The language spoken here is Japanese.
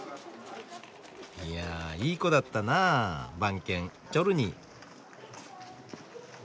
いやあいい子だったなあ番犬・チョルニー。